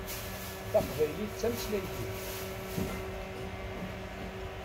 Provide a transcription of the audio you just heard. Taqbaylit d tameslayt-iw